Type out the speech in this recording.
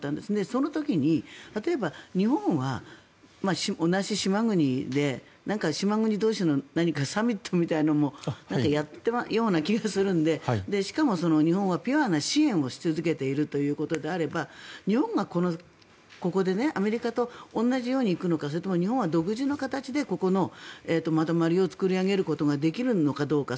その時に、例えば日本は同じ島国で島国同士の何かサミットみたいなのもやったような気がするのでしかも、日本はピュアな支援をし続けているということであれば日本がここでアメリカと同じように行くのかそれとも日本は独自の形でここのまとまりを作り上げることができるのかどうか。